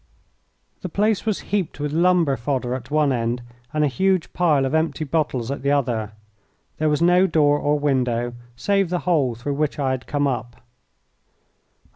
The place was heaped with lumber fodder at one end and a huge pile of empty bottles at the other. There was no door or window save the hole through which I had come up.